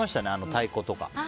太鼓とか。